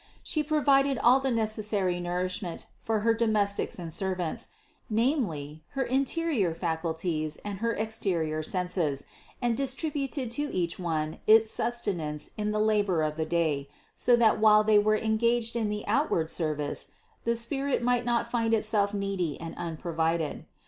She provided all the necessary nourishment for her domestics and servants, namely her interior faculties and her exterior senses, and distributed to each one its sus tenance in the labor of the day, so that while they were THE CONCEPTION 595 engaged in the outward service, the spirit might not find itself needy and unprovided.